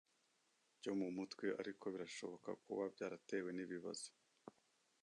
cyo mu mutwe ariko birashoboka kuba byaratewe n’ibibazo